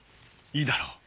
いいだろ？